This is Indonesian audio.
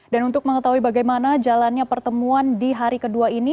dan untuk mengetahui bagaimana jalannya pertemuan di hari kedua ini